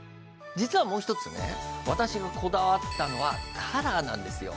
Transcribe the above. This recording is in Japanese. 実はもう一つね私がこだわったのはカラーなんですよ